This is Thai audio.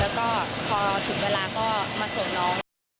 แล้วก็พอถึงเวลาก็มาส่งน้อง